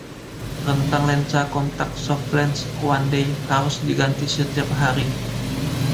Rentang lensa kontak "SofLens One Day" harus diganti setiap hari.